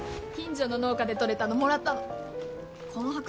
近所の農家で取れたのもらったの